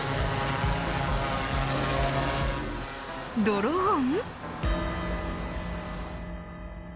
ドローン。